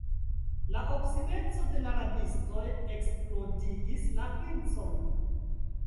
La obstineco de la rabistoj eksplodigis la princon.